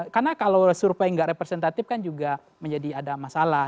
karena kalau sepupunya enggak representatif kan juga menjadi ada masalah